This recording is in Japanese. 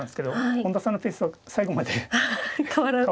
本田さんのペースは最後まで変わらなかったですね。